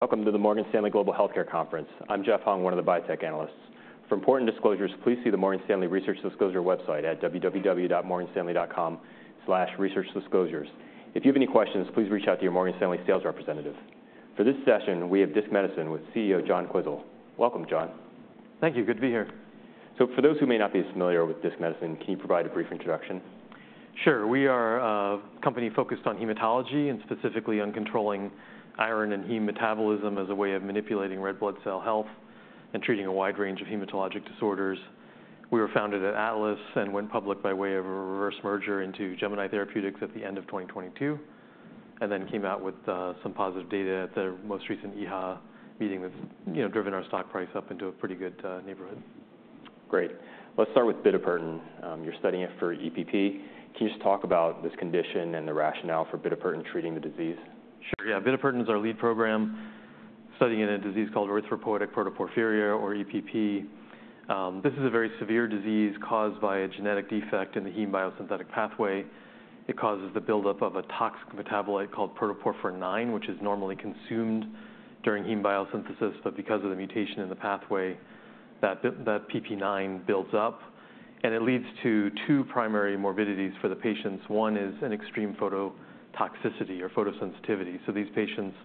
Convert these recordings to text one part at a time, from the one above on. Welcome to the Morgan Stanley Global Healthcare Conference. I'm Jeff Hung, one of the biotech analysts. For important disclosures, please see the Morgan Stanley Research Disclosure website at www.morganstanley.com/researchdisclosures. If you have any questions, please reach out to your Morgan Stanley sales representative. For this session, we have Disc Medicine with CEO, John Quisel. Welcome, John. Thank you. Good to be here. For those who may not be familiar with Disc Medicine, can you provide a brief introduction? Sure. We are a company focused on hematology, and specifically on controlling iron and heme metabolism as a way of manipulating red blood cell health and treating a wide range of hematologic disorders. We were founded at Atlas and went public by way of a reverse merger into Gemini Therapeutics at the end of 2022, and then came out with some positive data at the most recent EHA meeting that's, you know, driven our stock price up into a pretty good neighborhood. Great. Let's start with Bitopertin. You're studying it for EPP. Can you just talk about this condition and the rationale for Bitopertin treating the disease? Sure. Yeah, bitopertin is our lead program, studying in a disease called erythropoietic protoporphyria, or EPP. This is a very severe disease caused by a genetic defect in the heme biosynthetic pathway. It causes the buildup of a toxic metabolite called protoporphyrin IX, which is normally consumed during heme biosynthesis, but because of the mutation in the pathway, that PP9 builds up, and it leads to two primary morbidities for the patients. One is an extreme phototoxicity or photosensitivity. So these patients,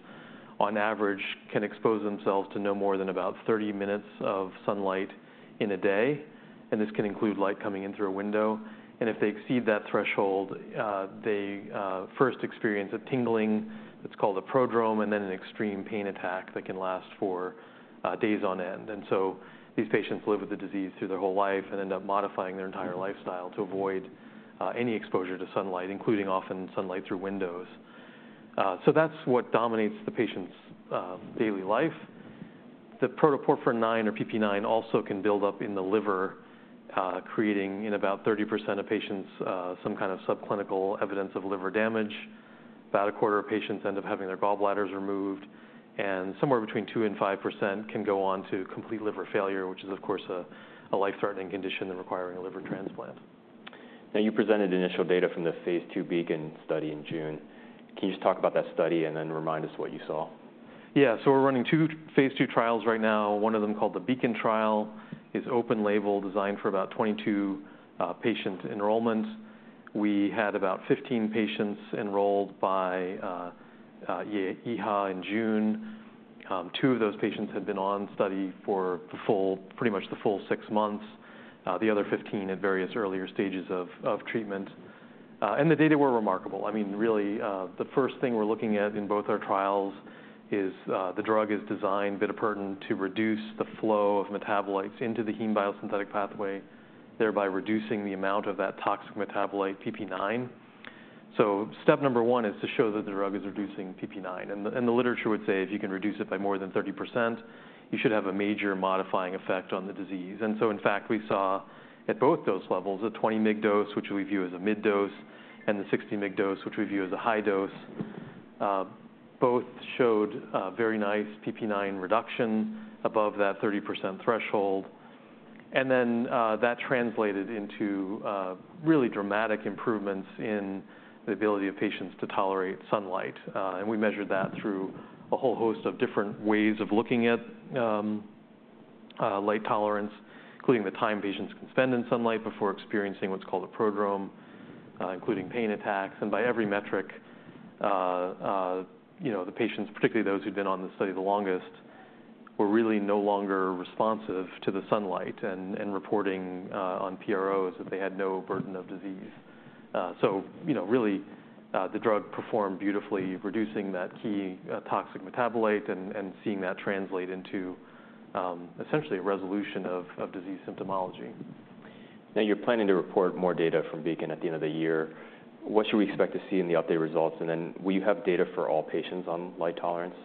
on average, can expose themselves to no more than about 30 minutes of sunlight in a day, and this can include light coming in through a window. And if they exceed that threshold, they first experience a tingling that's called a prodrome, and then an extreme pain attack that can last for days on end. These patients live with the disease through their whole life and end up modifying their entire lifestyle to avoid any exposure to sunlight, including often sunlight through windows. So that's what dominates the patient's daily life. The protoporphyrin IX, or PPIX, also can build up in the liver, creating in about 30% of patients some kind of subclinical evidence of liver damage. About a quarter of patients end up having their gallbladders removed, and somewhere between 2% and 5% can go on to complete liver failure, which is, of course, a life-threatening condition than requiring a liver transplant. Now, you presented initial data from the Phase II BEACON study in June. Can you just talk about that study and then remind us what you saw? Yeah. So we're running two phase II trials right now. One of them, called the BEACON trial, is open label, designed for about 22 patient enrollments. We had about 15 patients enrolled by EHA in June. Two of those patients had been on study for the full, pretty much the full six months, the other 15 at various earlier stages of treatment. And the data were remarkable. I mean, really, the first thing we're looking at in both our trials is the drug is designed, bitopertin, to reduce the flow of metabolites into the heme biosynthetic pathway, thereby reducing the amount of that toxic metabolite, PPIX. So step number one is to show that the drug is reducing PPIX. The literature would say if you can reduce it by more than 30%, you should have a major modifying effect on the disease. And so in fact, we saw at both those levels, a 20 mg dose, which we view as a mid dose, and the 60 mg dose, which we view as a high dose, both showed a very nice PP9 reduction above that 30% threshold. And then, that translated into really dramatic improvements in the ability of patients to tolerate sunlight. And we measured that through a whole host of different ways of looking at light tolerance, including the time patients can spend in sunlight before experiencing what's called a prodrome, including pain attacks. By every metric, you know, the patients, particularly those who've been on the study the longest, were really no longer responsive to the sunlight and reporting on PROs that they had no burden of disease. So, you know, really, the drug performed beautifully, reducing that key toxic metabolite and seeing that translate into essentially a resolution of disease symptomology. Now, you're planning to report more data from BEACON at the end of the year. What should we expect to see in the updated results? And then will you have data for all patients on light tolerance?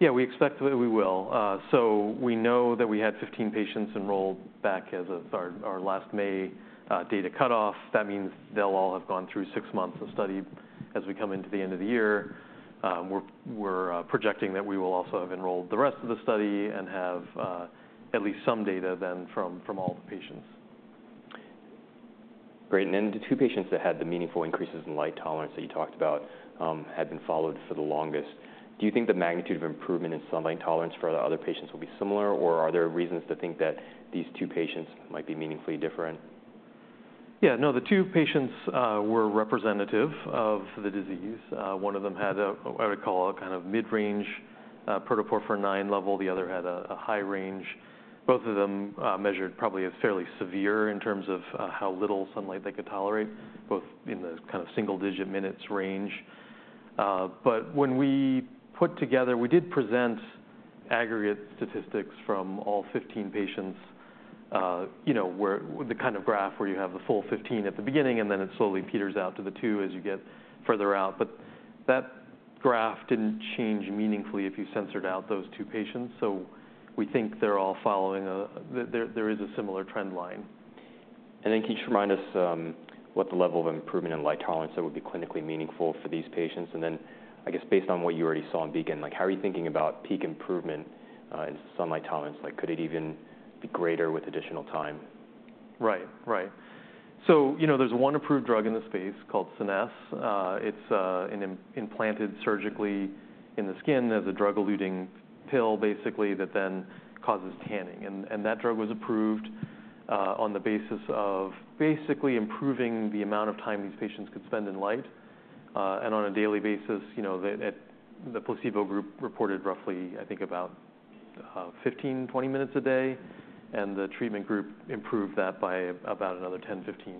Yeah, we expect that we will. So we know that we had 15 patients enrolled back as of our last May data cutoff. That means they'll all have gone through six months of study as we come into the end of the year. We're projecting that we will also have enrolled the rest of the study and have at least some data then from all the patients. Great. And then the two patients that had the meaningful increases in light tolerance that you talked about, had been followed for the longest. Do you think the magnitude of improvement in sunlight tolerance for the other patients will be similar, or are there reasons to think that these two patients might be meaningfully different? Yeah. No, the two patients were representative of the disease. One of them had a, what I would call, a kind of mid-range, protoporphyrin IX level. The other had a high range. Both of them measured probably as fairly severe in terms of, how little sunlight they could tolerate, both in the kind of single-digit minutes range. But when we put together... We did present aggregate statistics from all 15 patients, you know, where the kind of graph where you have the full 15 at the beginning, and then it slowly peters out to the two as you get further out. But that graph didn't change meaningfully if you censored out those two patients, so we think they're all following there is a similar trend line. Then can you just remind us what the level of improvement in light tolerance that would be clinically meaningful for these patients? Then, I guess, based on what you already saw in BEACON, like, how are you thinking about peak improvement in sunlight tolerance? Like, could it even be greater with additional time?... Right, right. So, you know, there's one approved drug in the space called SCENESSE. It's an implanted surgically in the skin as a drug-eluting pill, basically, that then causes tanning. And that drug was approved on the basis of basically improving the amount of time these patients could spend in light. And on a daily basis, you know, the placebo group reported roughly, I think about 15 minutes-20 minutes a day, and the treatment group improved that by about another 10 minutes-15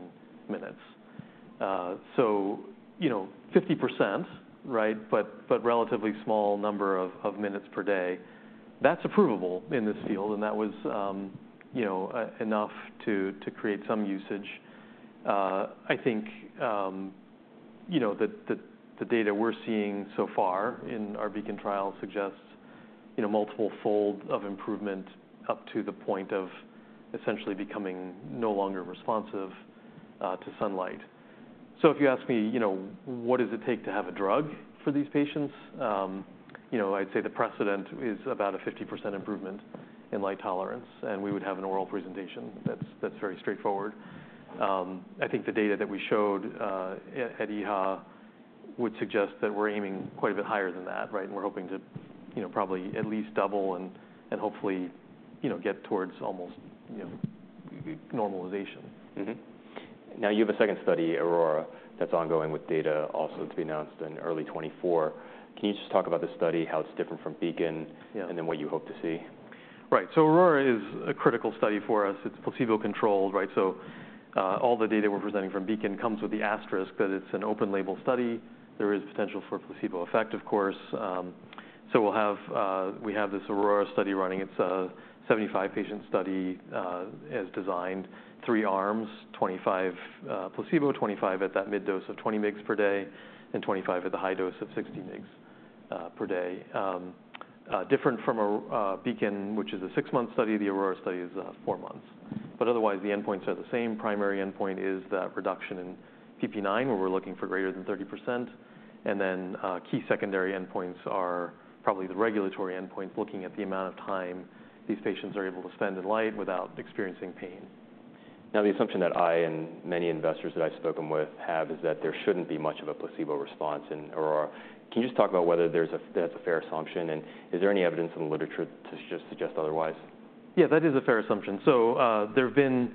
minutes. So, you know, 50%, right? But relatively small number of minutes per day. That's approvable in this field, and that was, you know, enough to create some usage. I think, you know, the data we're seeing so far in our BEACON trial suggests, you know, multiple fold of improvement up to the point of essentially becoming no longer responsive to sunlight. So if you ask me, you know, what does it take to have a drug for these patients? You know, I'd say the precedent is about a 50% improvement in light tolerance, and we would have an oral presentation that's very straightforward. I think the data that we showed at EHA would suggest that we're aiming quite a bit higher than that, right? And we're hoping to, you know, probably at least double and hopefully, you know, get towards almost, you know, normalization. Mm-hmm. Now, you have a second study, AURORA, that's ongoing with data also to be announced in early 2024. Can you just talk about the study, how it's different from BEACON- Yeah. And then what you hope to see? Right. So AURORA is a critical study for us. It's placebo-controlled, right? So, all the data we're presenting from BEACON comes with the asterisk that it's an open-label study. There is potential for a placebo effect, of course. So we'll have, we have this AURORA study running. It's a 75-patient study, as designed, three arms, 25 placebo, 25 at that mid dose of 20 mg per day, and 25 at the high dose of 60 mg per day. Different from BEACON, which is a six-month study, the AURORA study is four months. But otherwise, the endpoints are the same. Primary endpoint is the reduction in PP9, where we're looking for greater than 30%. Key secondary endpoints are probably the regulatory endpoint, looking at the amount of time these patients are able to spend in light without experiencing pain. Now, the assumption that I and many investors that I've spoken with have, is that there shouldn't be much of a placebo response in AURORA. Can you just talk about whether that's a fair assumption, and is there any evidence in the literature to just suggest otherwise? Yeah, that is a fair assumption. So, there have been,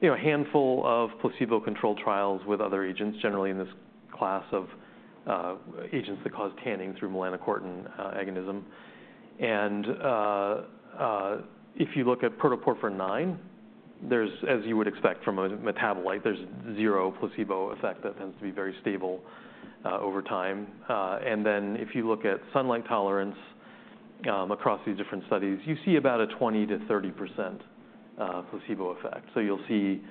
you know, a handful of placebo-controlled trials with other agents, generally in this class of agents that cause tanning through melanocortin agonism. And, if you look at protoporphyrin IX, there's, as you would expect from a metabolite, there's zero placebo effect that tends to be very stable over time. And then if you look at sunlight tolerance, across these different studies, you see about a 20%-30% placebo effect. So you'll see,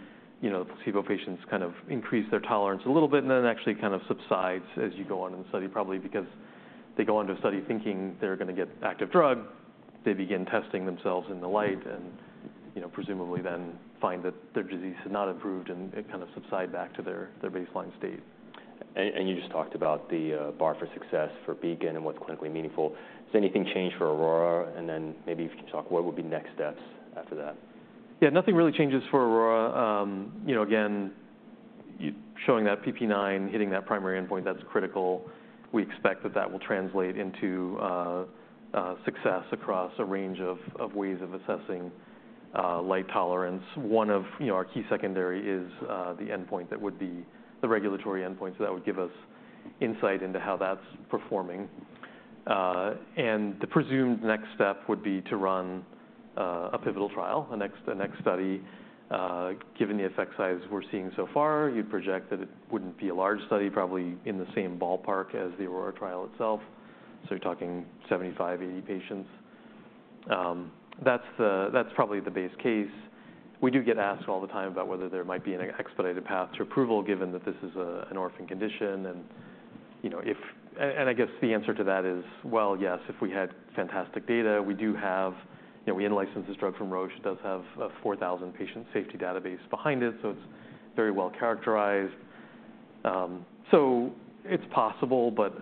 you know, the placebo patients kind of increase their tolerance a little bit, and then it actually kind of subsides as you go on in the study, probably because they go into a study thinking they're gonna get active drug. They begin testing themselves in the light and, you know, presumably then find that their disease has not improved, and it kind of subside back to their baseline state. And you just talked about the bar for success for BEACON and what's clinically meaningful. Has anything changed for AURORA? And then maybe you can talk, what would be next steps after that? Yeah, nothing really changes for AURORA. You know, again, showing that PP9 hitting that primary endpoint, that's critical. We expect that that will translate into success across a range of ways of assessing light tolerance. One of, you know, our key secondary is the endpoint that would be the regulatory endpoint, so that would give us insight into how that's performing. The presumed next step would be to run a pivotal trial, the next study. Given the effect sizes we're seeing so far, you'd project that it wouldn't be a large study, probably in the same ballpark as the AURORA trial itself. So you're talking 75, 80 patients. That's probably the base case. We do get asked all the time about whether there might be an expedited path to approval, given that this is an orphan condition. And, you know, if... and I guess the answer to that is, well, yes, if we had fantastic data, we do have... You know, we in-license this drug from Roche. It does have a 4,000 patient safety database behind it, so it's very well characterized. So it's possible but,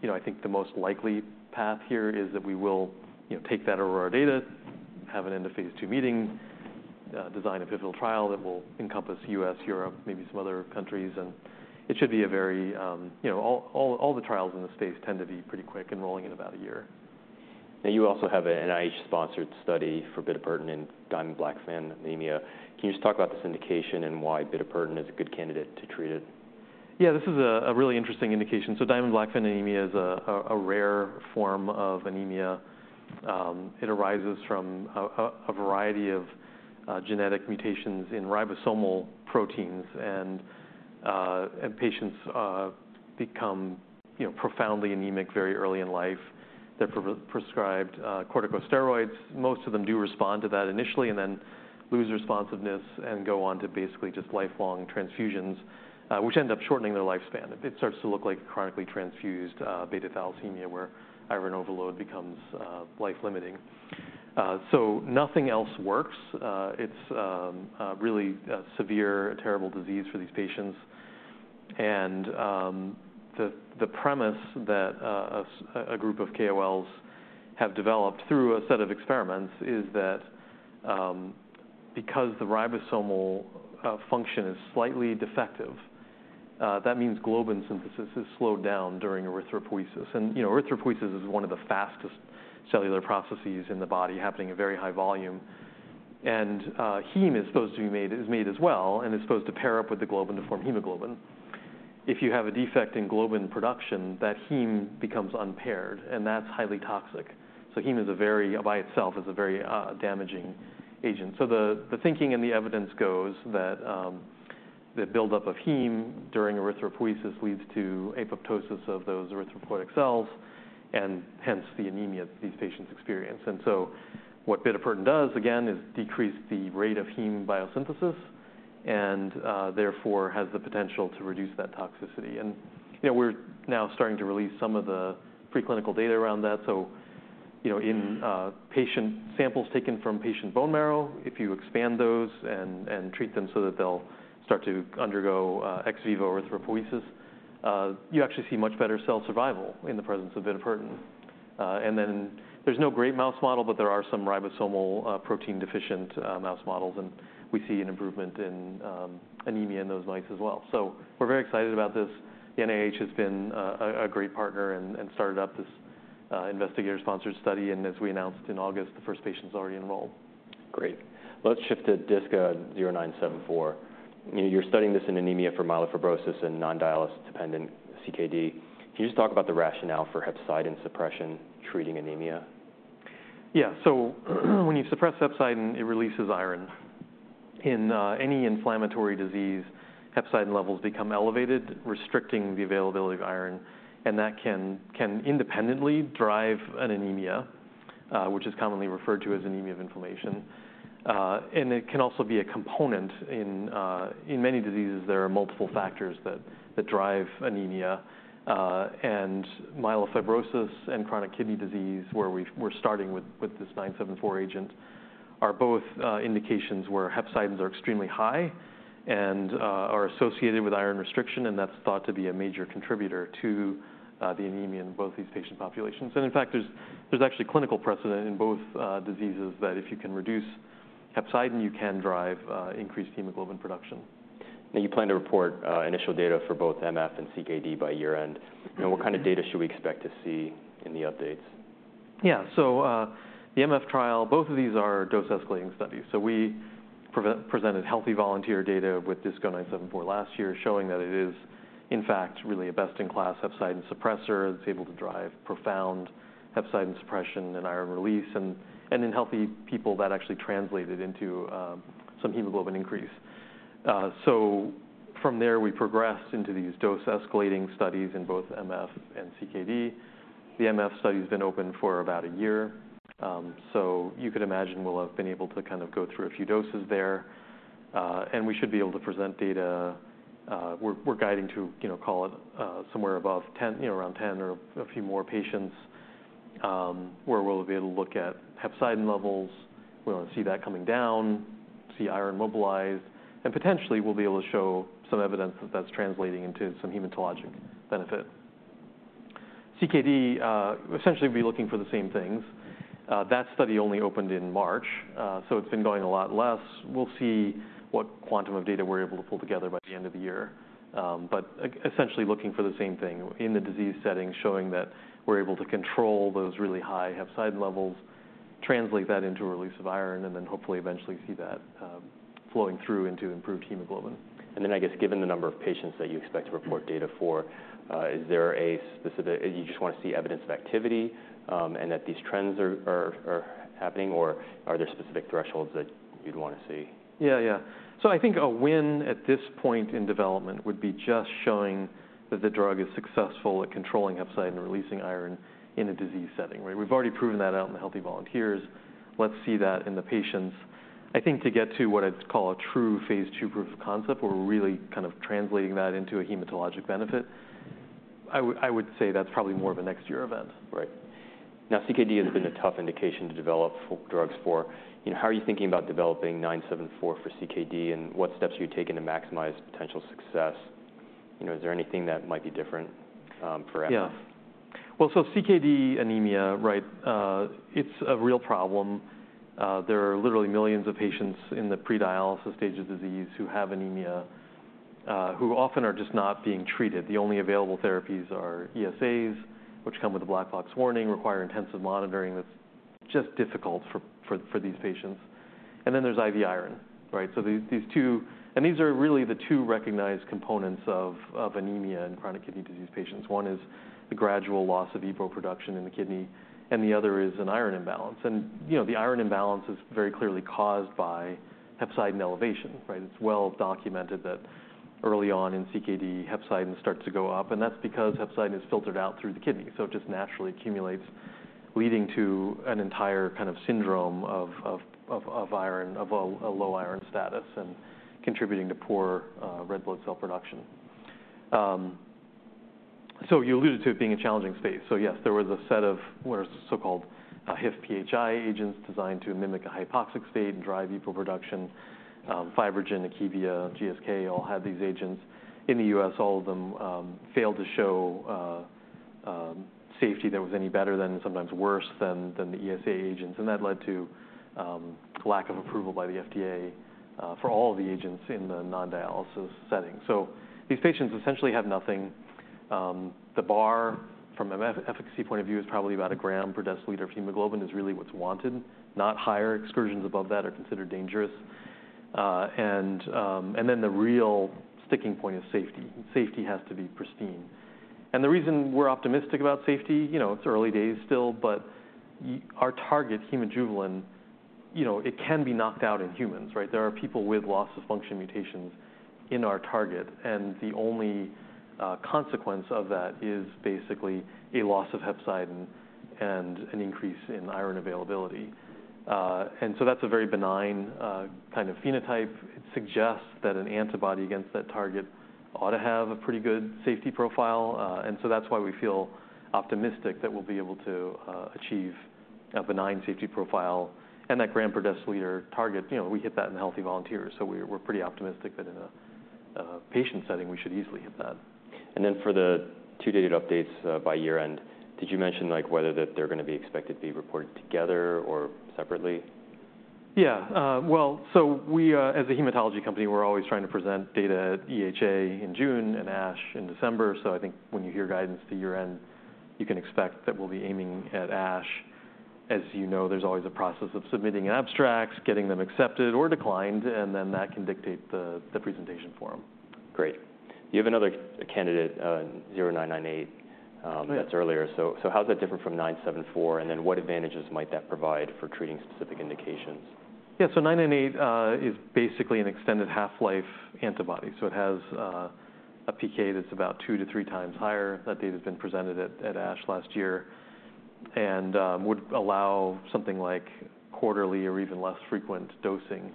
you know, I think the most likely path here is that we will, you know, take that AURORA data, have it in the Phase II meeting, design a pivotal trial that will encompass U.S., Europe, maybe some other countries, and it should be a very... You know, all the trials in the States tend to be pretty quick and rolling in about a year. Now, you also have an NIH-sponsored study for bitopertin in Diamond-Blackfan anemia. Can you just talk about this indication and why bitopertin is a good candidate to treat it? Yeah, this is a really interesting indication. So Diamond-Blackfan anemia is a rare form of anemia. It arises from a variety of genetic mutations in ribosomal proteins, and patients become, you know, profoundly anemic very early in life. They're prescribed corticosteroids. Most of them do respond to that initially, and then lose responsiveness and go on to basically just lifelong transfusions, which end up shortening their lifespan. It starts to look like a chronically transfused beta thalassemia, where iron overload becomes life-limiting. So nothing else works. It's a really severe, terrible disease for these patients. The premise that a group of KOLs have developed through a set of experiments is that, because the ribosomal function is slightly defective, that means globin synthesis is slowed down during erythropoiesis. And, you know, erythropoiesis is one of the fastest cellular processes in the body, happening at very high volume. And, heme is supposed to be made, is made as well, and it's supposed to pair up with the globin to form hemoglobin. If you have a defect in globin production, that heme becomes unpaired, and that's highly toxic. So heme is a very, by itself, is a very damaging agent. So the thinking and the evidence goes that the buildup of heme during erythropoiesis leads to apoptosis of those erythropoietic cells, and hence the anemia these patients experience. And so what bitopertin does, again, is decrease the rate of heme biosynthesis and therefore has the potential to reduce that toxicity. And, you know, we're now starting to release some of the preclinical data around that. So, you know, in patient samples taken from patient bone marrow, if you expand those and treat them so that they'll start to undergo ex vivo erythropoiesis, you actually see much better cell survival in the presence of bitopertin. And then there's no great mouse model, but there are some ribosomal protein-deficient mouse models, and we see an improvement in anemia in those mice as well. So we're very excited about this. The NIH has been a great partner and started up this investigator-sponsored study, and as we announced in August, the first patient's already enrolled. Great. Let's shift to DISC-0974. You're studying this in anemia for myelofibrosis and non-dialysis-dependent CKD. Can you just talk about the rationale for hepcidin suppression treating anemia? Yeah, so when you suppress hepcidin, it releases iron. In any inflammatory disease, hepcidin levels become elevated, restricting the availability of iron, and that can independently drive an anemia, which is commonly referred to as anemia of inflammation. And it can also be a component in many diseases, there are multiple factors that drive anemia, and myelofibrosis and chronic kidney disease, where we're starting with this DISC-0974 agent, are both indications where hepcidins are extremely high and are associated with iron restriction, and that's thought to be a major contributor to the anemia in both these patient populations. And in fact, there's actually clinical precedent in both diseases, that if you can reduce hepcidin, you can drive increased hemoglobin production. You plan to report initial data for both MF and CKD by year-end? Yeah. What kind of data should we expect to see in the updates? Yeah. So, the MF trial... Both of these are dose-escalating studies. So we presented healthy volunteer data with DISC-0974 last year, showing that it is, in fact, really a best-in-class hepcidin suppressor. It's able to drive profound hepcidin suppression and iron release, and, and in healthy people, that actually translated into some hemoglobin increase. So from there, we progressed into these dose-escalating studies in both MF and CKD. The MF study's been open for about a year, so you could imagine we'll have been able to kind of go through a few doses there. And we should be able to present data... We're guiding to, you know, call it somewhere above 10, you know, around 10 or a few more patients, where we'll be able to look at hepcidin levels. We're gonna see that coming down, see iron mobilized, and potentially we'll be able to show some evidence that that's translating into some hematologic benefit. CKD, essentially, we'll be looking for the same things. That study only opened in March, so it's been going a lot less. We'll see what quantum of data we're able to pull together by the end of the year. But essentially looking for the same thing: in the disease setting, showing that we're able to control those really high hepcidin levels, translate that into a release of iron, and then hopefully eventually see that flowing through into improved hemoglobin. Then, I guess, given the number of patients that you expect to report data for, is there a specific, you just wanna see evidence of activity, and that these trends are happening, or are there specific thresholds that you'd wanna see? Yeah, yeah. So I think a win at this point in development would be just showing that the drug is successful at controlling hepcidin and releasing iron in a disease setting, right? We've already proven that out in the healthy volunteers. Let's see that in the patients. I think to get to what I'd call a true phase II proof of concept, where we're really kind of translating that into a hematologic benefit, I would say that's probably more of a next year event. Right. Now, CKD has been a tough indication to develop drugs for. You know, how are you thinking about developing DISC-0974 for CKD, and what steps are you taking to maximize potential success? You know, is there anything that might be different for MF? Yeah. Well, so CKD anemia, right, it's a real problem. There are literally millions of patients in the pre-dialysis stage of disease who have anemia, who often are just not being treated. The only available therapies are ESAs, which come with a black box warning, require intensive monitoring, that's just difficult for these patients. And then there's IV iron, right? So these two... And these are really the two recognized components of anemia in chronic kidney disease patients. One is the gradual loss of EPO production in the kidney, and the other is an iron imbalance. And, you know, the iron imbalance is very clearly caused by hepcidin elevation, right? It's well documented that early on in CKD, hepcidin starts to go up, and that's because hepcidin is filtered out through the kidneys, so it just naturally accumulates, leading to an entire kind of syndrome of a low iron status and contributing to poor red blood cell production. So you alluded to it being a challenging space. So yes, there was a set of what are so-called HIF-PHI agents designed to mimic a hypoxic state and drive EPO production. FibroGen, Akebia, GSK all had these agents. In the U.S., all of them failed to show safety that was any better than and sometimes worse than the ESA agents, and that led to lack of approval by the FDA for all of the agents in the non-dialysis setting. So these patients essentially have nothing. The bar from an efficacy point of view is probably about 1 gm per dL of hemoglobin is really what's wanted, not higher. Excursions above that are considered dangerous. And then the real sticking point is safety. Safety has to be pristine. And the reason we're optimistic about safety, you know, it's early days still, but our target, Hemojuvelin, you know, it can be knocked out in humans, right? There are people with loss-of-function mutations in our target, and the only consequence of that is basically a loss of Hepcidin and an increase in iron availability. And so that's a very benign kind of phenotype. It suggests that an antibody against that target ought to have a pretty good safety profile, and so that's why we feel optimistic that we'll be able to achieve a benign safety profile. That gram per deciliter target, you know, we hit that in healthy volunteers, so we're pretty optimistic that in a patient setting, we should easily hit that. And then for the two dated updates, by year-end, did you mention, like, whether that they're gonna be expected to be reported together or separately? Yeah. Well, so we... As a hematology company, we're always trying to present data at EHA in June and ASH in December, so I think when you hear guidance to year-end, you can expect that we'll be aiming at ASH. As you know, there's always a process of submitting abstracts, getting them accepted or declined, and then that can dictate the presentation forum. Great. You have another candidate, DISC-0998- Right... that's earlier. So, how's that different from DISC-0974, and then what advantages might that provide for treating specific indications? Yeah, so DISC-0998 is basically an extended half-life antibody, so it has a PK that's about 2x-3x higher. That data's been presented at ASH last year, and would allow something like quarterly or even less frequent dosing.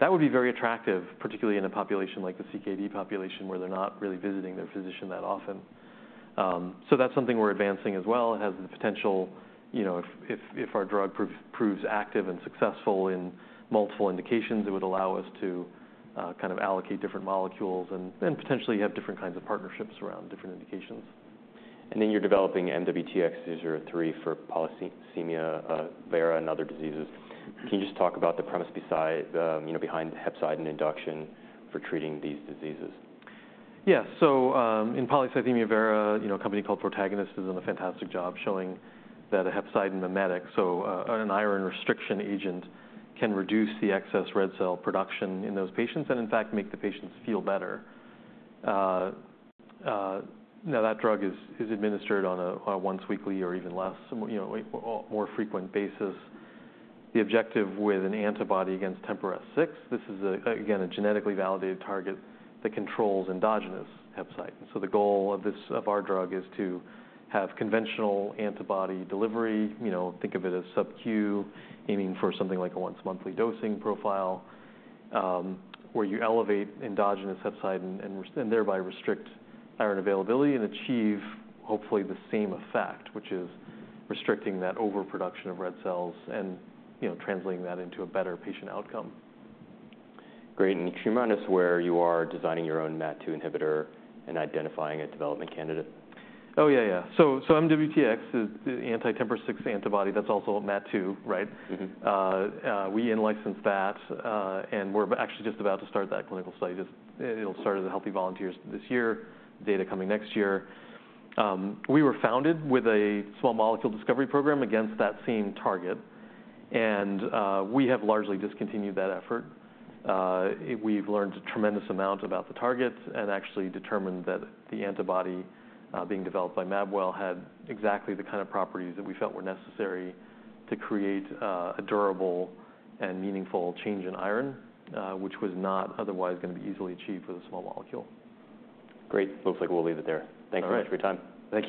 That would be very attractive, particularly in a population like the CKD population, where they're not really visiting their physician that often. So that's something we're advancing as well. It has the potential, you know, if our drug proves active and successful in multiple indications, it would allow us to kind of allocate different molecules and potentially have different kinds of partnerships around different indications. And then you're developing MWTX-003 for polycythemia vera and other diseases. Can you just talk about the premise behind, you know, behind hepcidin induction for treating these diseases? Yeah. So, in polycythemia vera, you know, a company called Protagonist has done a fantastic job showing that a hepcidin mimetic, so, an iron restriction agent, can reduce the excess red cell production in those patients and, in fact, make the patients feel better. Now, that drug is administered on a once weekly or even less, you know, a more frequent basis. The objective with an antibody against TMPRSS6, this is again a genetically validated target that controls endogenous hepcidin. So the goal of this, of our drug, is to have conventional antibody delivery. You know, think of it as SubQ, aiming for something like a once-monthly dosing profile, where you elevate endogenous hepcidin and thereby restrict iron availability and achieve, hopefully, the same effect, which is restricting that overproduction of red cells and, you know, translating that into a better patient outcome. Great. And can you remind us where you are designing your own Mat2 inhibitor and identifying a development candidate? Oh, yeah, yeah. So, so MWTX is the anti-TMPRSS6 antibody that's also Mat2, right? Mm-hmm. We in-licensed that, and we're actually just about to start that clinical study. It'll start with the healthy volunteers this year, data coming next year. We were founded with a small molecule discovery program against that same target, and we have largely discontinued that effort. We've learned a tremendous amount about the targets and actually determined that the antibody being developed by Mabwell had exactly the kind of properties that we felt were necessary to create a durable and meaningful change in iron, which was not otherwise gonna be easily achieved with a small molecule. Great. Looks like we'll leave it there. All right. Thank you very much for your time. Thank you.